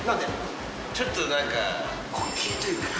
ちょっとなんか、滑稽というか。